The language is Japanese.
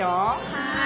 はい。